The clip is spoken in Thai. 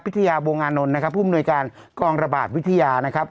ทยาวงอานนท์นะครับผู้มนวยการกองระบาดวิทยานะครับ